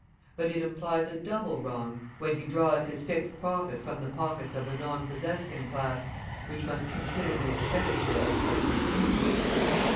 But it implies a double wrong, when he draws his fixed profit from the pockets of the non possessing class, which must consider the expenditure of every penny.